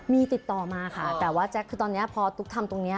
มีติดต่อมาค่ะแต่ว่าแจ๊คคือตอนนี้พอตุ๊กทำตรงนี้